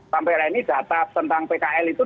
sampai hari ini data tentang pkl itu